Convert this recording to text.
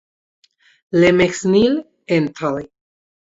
Le Mesnil-en-Thelle